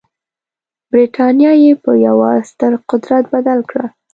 برټانیه یې په یوه ستر قدرت بدله کړه.